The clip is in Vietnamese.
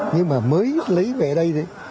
nhưng mà mới lấy về đây